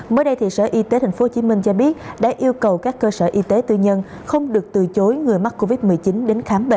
mới đây thì sở y tế tp hcm cho biết đã yêu cầu các cơ sở y tế tư nhân không được thu phí